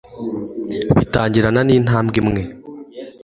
bitangirana n'intambwe imwe